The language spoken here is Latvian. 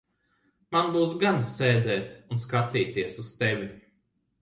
Man būs gana sēdēt un skatīties uz tevi.